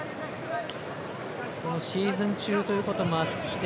シーズン中ということもあって